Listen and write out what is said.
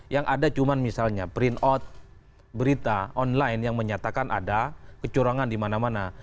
yang ada cuma misalnya print out berita online yang menyatakan ada kecurangan di mana mana